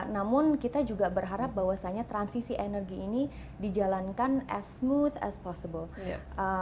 namun kita juga berharap bahwasannya transisi energi ini dijalankan as mood as possible